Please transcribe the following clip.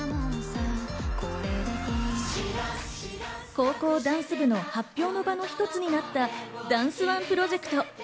高校ダンス部の発表の場の一つとなったダンスＯＮＥプロジェクト。